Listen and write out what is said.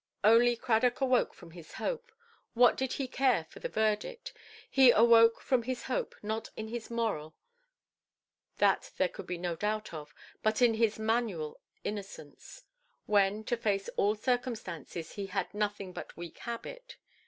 Only Cradock awoke from his hope—what did he care for their verdict? He awoke from his hope not in his moral—that there could be no doubt of—but in his manual innocence; when, to face all circumstances, he had nothing but weak habit.